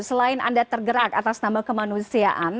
selain anda tergerak atas nama kemanusiaan